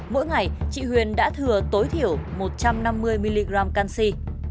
mỗi ngày chị huyền đã thừa tối thiểu một trăm năm mươi mg canxi